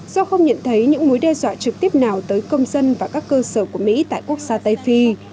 do không nhận thấy những mối đe dọa trực tiếp nào tới công dân và các cơ sở của mỹ tại quốc gia tây phi